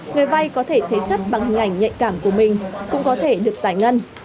người vay có thể thế chấp bằng hình ảnh nhạy cảm của mình cũng có thể được giải ngân